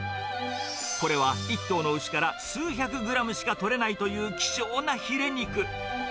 これは１頭の牛から数百グラムしか取れないという希少なヒレ肉。